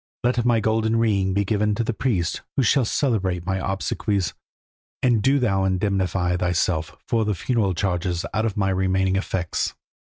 Let my golden ring be given to the priests who shall celebrate my obsequies, and do thou indemnify thyself for the funeral charges out of my remaining effects.